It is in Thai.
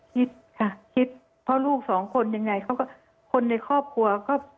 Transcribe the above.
คิดค่ะคิดเพราะลูกสองคนยังไงเขาก็คนในครอบครัวก็